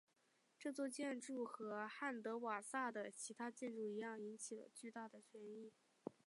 这座建筑和汉德瓦萨的其他建筑一样引起了巨大的争议。